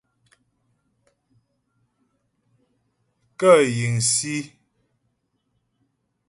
Kə yiŋsǐ.